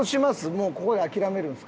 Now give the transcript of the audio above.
もうここで諦めるんですか？